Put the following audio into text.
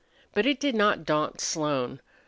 But it did not daunt Slone.